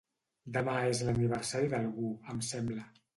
Demà és l'aniversari d'algú, em sembla.